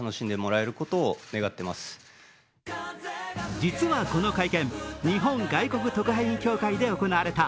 実はこの会見、日本外国特派員協会で行われた。